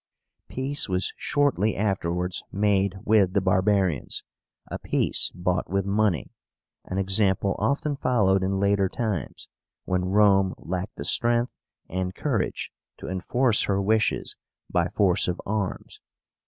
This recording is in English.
Peace was shortly afterwards made with the barbarians, a peace bought with money; an example often followed in later times, when Rome lacked the strength and courage to enforce her wishes by force of arms.